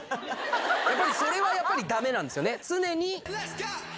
やっぱりそれはやっぱりだめなんですよね。